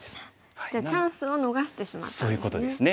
じゃあチャンスを逃してしまったんですね。